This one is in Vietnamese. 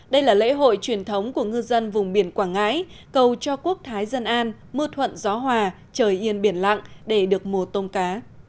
đây là lễ hội truyền thống của ngư dân vùng biển quảng ngãi cầu cho quốc thái dân an mưa thuận gió hòa trời yên biển lặng để được mùa tôm cá